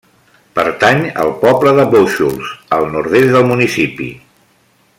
Pertany al poble de Bóixols, al nord-est del municipi.